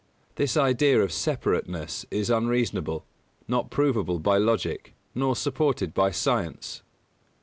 This idea of separateness is unreasonable, not provable by logic, nor supported by science.